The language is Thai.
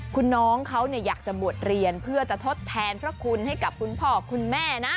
คุณน้องเขาอยากจะบวชเรียนเพื่อจะทดแทนพระคุณให้กับคุณพ่อคุณแม่นะ